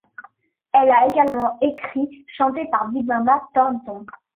Elle a également écrit ' chantée par Big Mama Thornton.